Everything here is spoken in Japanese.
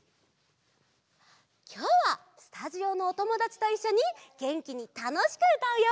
きょうはスタジオのおともだちといっしょにげんきにたのしくうたうよ！